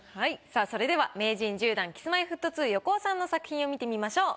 さあそれでは名人１０段Ｋｉｓ−Ｍｙ−Ｆｔ２横尾さんの作品を見てみましょう。